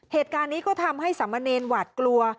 เหตุการณ์นี้ก็ทำให้สามเณรหวาดกลัว